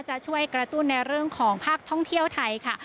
จะช่วยกระตุ้นในเรื่องของภาคท่องเที่ยวไทยค่ะ